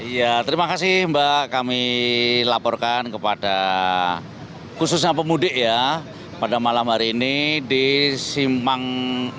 ya terima kasih mbak kami laporkan kepada khususnya pemudik ya pada malam hari ini di simpang